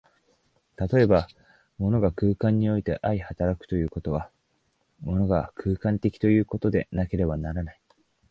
例えば、物が空間において相働くということは、物が空間的ということでなければならない。